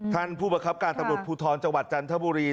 ท่านผู้ประคับการตำรวจภูทรจังหวัดจันทบุรี